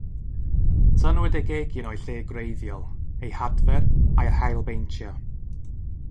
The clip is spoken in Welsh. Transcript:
Tynnwyd y gegin o'i lle gwreiddiol, ei hadfer a'i hailbeintio.